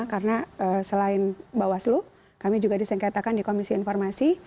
karena selain bawaslu kami juga disengketakan di komisi informasi